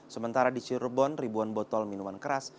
sementara di cirebon ribuan botol minuman keras